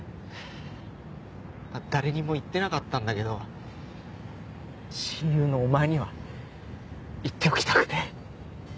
誰にも言ってなかったんだけど親友のお前には言っておきたくて。